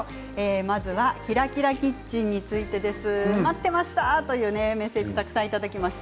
まず「ＫｉｒａＫｉｒａキッチン」についてです。